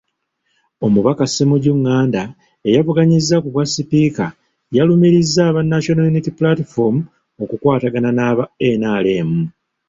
Omubaka Ssemujju Nganda eyavuganyizza ku bwasipiika yalumirizza aba National Unity Platform okukwatagana n'aba NRM.